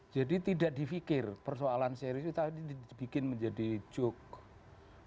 jadi tidak dipikir persoalan serius itu tadi dibikin menjadi joke